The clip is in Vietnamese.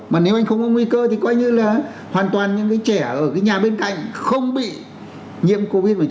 mà nếu anh không có nguy cơ thì coi như là hoàn toàn những cái trẻ ở cái nhà bên cạnh không bị nhiễm covid một mươi chín